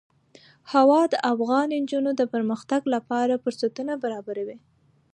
هوا د افغان نجونو د پرمختګ لپاره فرصتونه برابروي.